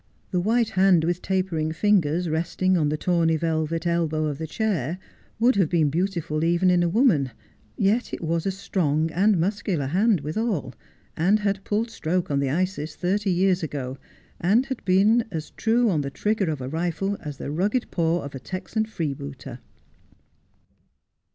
The white hand with tapering fingers resting on the tawny velvet elbow of the chair would have been beautiful, even in a woman ; yet it was a strong and muscular hand withal, and had pulled stroke on the Isis thirty years ago, and had been as true on the trigger of a rifle as the rugged paw of a Texan freebooter.